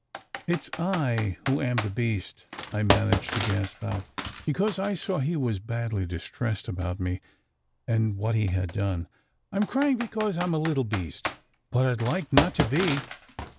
"It s I who am the beast," I managed to gasp out, be cause I saw he was badly distressed about me, and what he had done. "I m crying because I m a little beast. But I d like not to be."